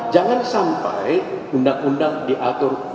jangan sampai undang undang diatur